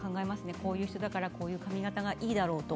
こういう人だからこういう髪形がいいんだろうと。